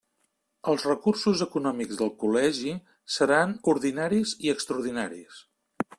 Els recursos econòmics del Col·legi seran ordinaris i extraordinaris.